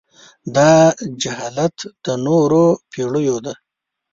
دا جاهلیت د نورو پېړيو دی.